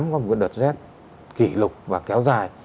hai nghìn tám có một đợt rét kỷ lục và kéo dài